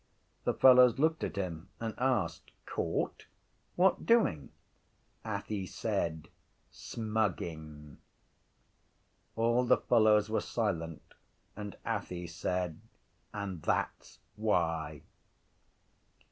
The fellows looked at him and asked: —Caught? —What doing? Athy said: —Smugging. All the fellows were silent: and Athy said: —And that’s why.